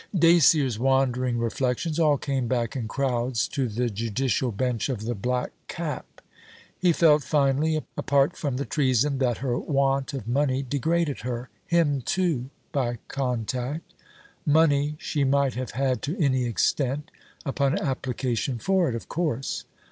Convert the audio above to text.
Dacier's wandering reflections all came back in crowds to the judicial Bench of the Black Cap. He felt finely, apart from the treason, that her want of money degraded her: him too, by contact. Money she might have had to any extent: upon application for it, of course.